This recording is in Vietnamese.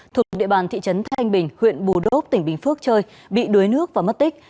thuộc địa bàn thị trấn thanh bình huyện bù đốc tỉnh bình phước chơi bị đuối nước và mất tích